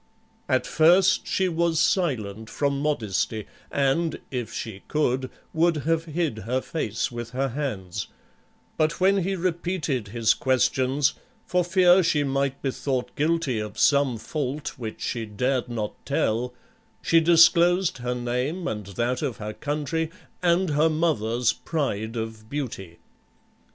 At first she was silent from modesty, and, if she could, would have hid her face with her hands; but when he repeated his questions, for fear she might be thought guilty of some fault which she dared not tell, she disclosed her name and that of her country, and her mother's pride of beauty.